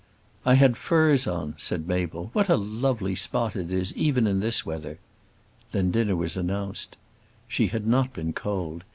"I had furs on," said Mabel. "What a lovely spot it is, even in this weather." Then dinner was announced. She had not been cold.